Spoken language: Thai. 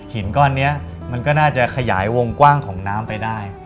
ก้อนนี้มันก็น่าจะขยายวงกว้างของน้ำไปได้